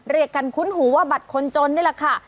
เรียกกันคุ้นหูว่าบัตรคนจนนี่แหละค่ะ